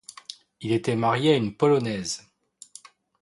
Il était marié à une Polonaise.